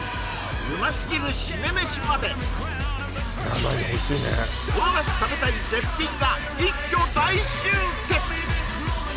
うますぎるシメ飯までこの夏食べたい絶品が一挙大集結！